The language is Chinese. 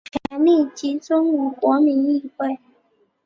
权力集中于国民议会。